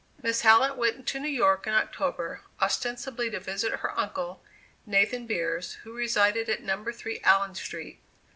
Miss Hallett went to New York in October, ostensibly to visit her uncle, Nathan Beers, who resided at No. 3 Allen Street.